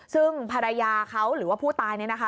ซึ่งภรรยาเขาหรือว่าผู้ตายเนี่ยนะคะ